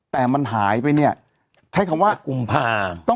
แต่มันหายไปเนี่ยใช้คำว่ากุมภา